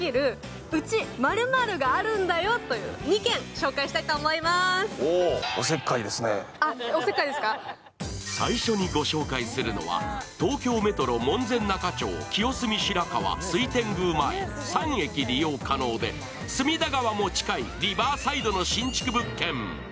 今回はちょっとおせっかいだとは思うんですけれども最初にご紹介するのは東京メトロ門前仲町、清澄白河、水天宮前３駅利用可能で、隅田川も近いリバーサイドの新築物件。